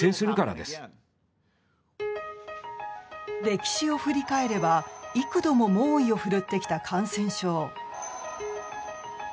歴史を振り返れば、幾度も猛威を振るってきた感染症。